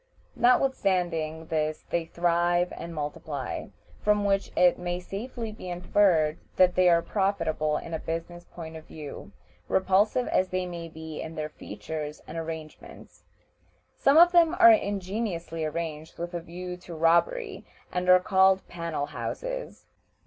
Notwithstanding this they thrive and multiply, from which it may safely be inferred that they are profitable in a business point of view, repulsive as they may be in their features and arrangements. Some of them are ingeniously arranged with a view to robbery, and are called "panel houses."